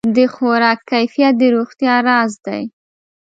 د خوراک کیفیت د روغتیا راز دی.